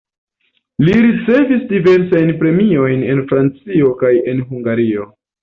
Li ricevis diversajn premiojn en Francio kaj en Hungario.